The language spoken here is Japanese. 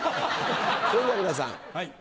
それじゃ皆さん。